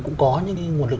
cũng có những cái nguồn lực